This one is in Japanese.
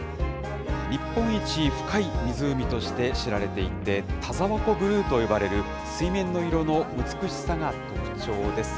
日本一深い湖として知られていて、田沢湖ブルーと呼ばれる水面の色の美しさが特徴です。